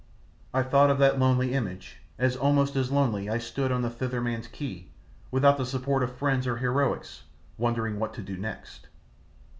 I thought of that lonely image as almost as lonely I stood on the Thither men's quay, without the support of friends or heroics, wondering what to do next.